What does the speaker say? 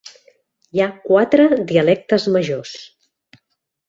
Hi ha quatre dialectes majors.